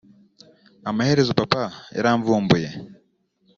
Amaherezo papa yaramvumbuye